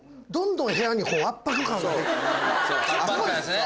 圧迫感ですね。